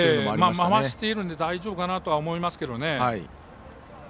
回しているので大丈夫かなと思いますけどね。